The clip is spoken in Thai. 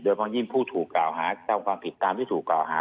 โดยเยี่ยมผู้ถูกกล่าวหาต้องการผิดการที่ถูกกล่าวหา